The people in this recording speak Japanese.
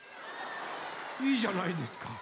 いいじゃないですか。